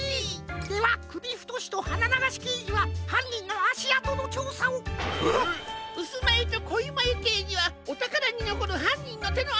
ではくびふとしとはなながしけいじははんにんのあしあとのちょうさを！えっ！うすまゆとこいまゆけいじはおたからにのこるはんにんのてのあとを！